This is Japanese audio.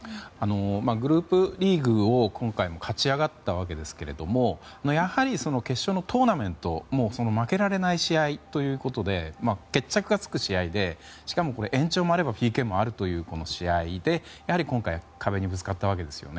グループリーグを今回も勝ち上がったわけですけどやはり、決勝のトーナメントで負けられない試合ということで決着がつく試合で、しかも延長もあればＰＫもあるというこの試合で、やはり今回壁にぶつかったわけですよね。